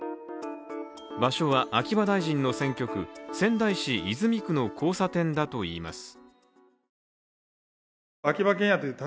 場所は秋葉大臣の選挙区仙台市泉区の交差点だといいます。